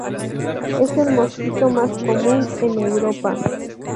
Es el mosquito más común en Europa.